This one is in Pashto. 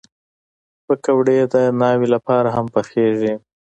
پکورې د ناوې لپاره هم پخېږي